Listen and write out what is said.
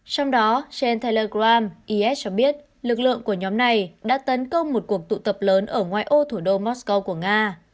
trong đó gen telegram is cho biết lực lượng của nhóm này đã tấn công một cuộc tụ tập lớn ở ngoài ô thủ đô moscow của nga